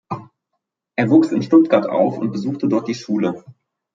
Er wuchs in Stuttgart auf und besuchte dort die Schule.